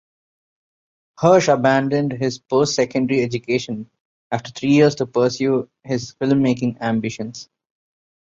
Hirsh abandoned his post-secondary education after three years to pursue his filmmaking ambitions.